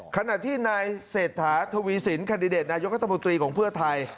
ขณะที่นายเศรษฐาทวีสินแคนดิเดตนายกัธมนตรีของเพื่อไทย